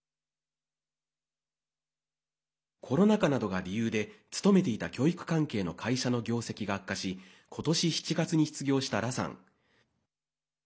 コロナ禍などが理由で勤めていた教育関係の会社の業績が悪化し今年７月に失業した羅さん。